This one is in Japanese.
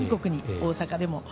大阪でも。